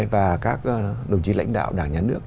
và các đồng chí lãnh đạo đảng nhà nước